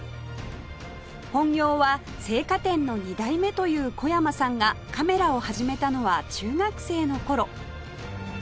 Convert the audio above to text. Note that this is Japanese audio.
本業は青果店の２代目という小山さんがカメラを始めたのは中学生の頃